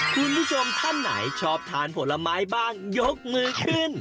คุณผู้ชมท่านไหนชอบทานผลไม้บ้างยกมือขึ้น